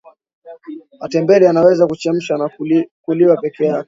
matembele yanaweza kuchemsha na kuliwa pekee yake